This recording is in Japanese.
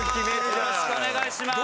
よろしくお願いします。